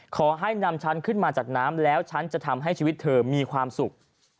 ขอให้นำฉันขึ้นมาจากน้ำแล้วฉันจะทำให้ชีวิตเธอมีความสุข